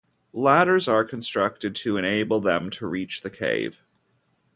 Ladders are constructed to enable them to reach the cave.